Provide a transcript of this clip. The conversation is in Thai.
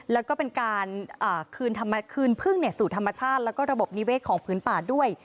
แล้วก็เป็นการคืนพึ่งสู่ธรรมชาติแล้วก็ระบบนิเวศของพื้นป่าด้วย